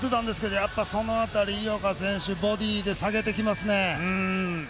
やっぱりその辺り、井岡選手、ボディーで下げてきますね。